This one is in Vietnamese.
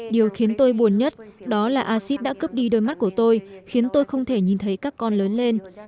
điều khiến tôi buồn nhất đó là acid đã cướp đi đôi mắt của tôi khiến tôi không thể nhìn thấy các con lớn lên